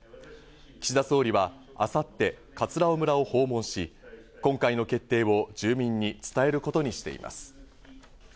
岸田総理は明後日、葛尾村を訪問し、今回の決定を住民に伝えることにしています。